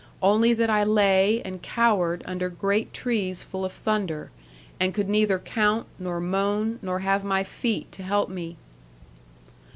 Only that I lay, and cowered, under great trees full of thunder; and could neither count, nor moan, nor have my feet to help me.